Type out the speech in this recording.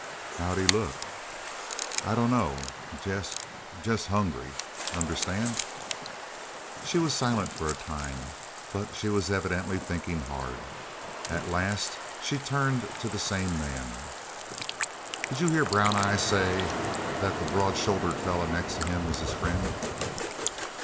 "How did he look?" "I dunno. Jest jest hungry. Understand?" She was silent for a time, but she was evidently thinking hard. At last she turned to the same man. "Did you hear Brown eyes say that the broad shouldered feller next to him was his friend?"